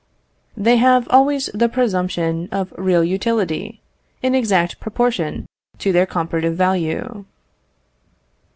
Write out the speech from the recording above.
They have always the presumption of real utility, in exact proportion to their comparative value.